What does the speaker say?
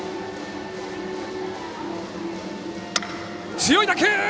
強い打球！